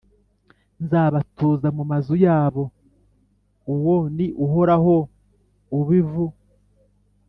nzabatuza mu mazu yabo. Uwo ni Uhoraho ubiv